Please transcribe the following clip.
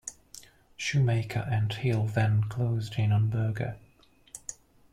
Schumacher and Hill then closed in on Berger.